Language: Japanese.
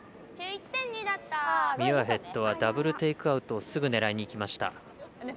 ミュアヘッドはダブル・テイクアウトをすぐ狙いにいきました。